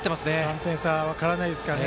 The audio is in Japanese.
３点差分からないですからね。